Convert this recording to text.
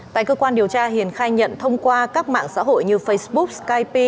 tại cơ quan điều tra hiền khai nhận thông qua các mạng xã hội như facebook kp